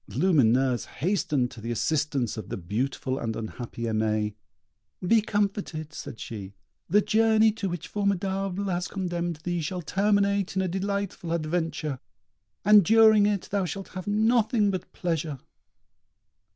Lumineuse hastened to the assistance of the beautiful and unhappy Aimée. "Be comforted," said she; "the journey to which Formidable has condemned thee shall terminate in a delightful adventure, and during it thou shalt have nothing but pleasure."